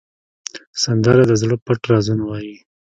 سندره د زړه پټ رازونه وایي